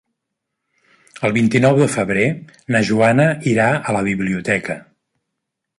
El vint-i-nou de febrer na Joana irà a la biblioteca.